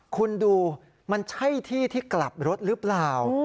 คุณดูมันใช่ที่ที่กลับรถหรือเปล่า